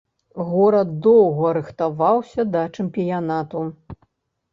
Горад доўга рыхтаваўся да чэмпіянату.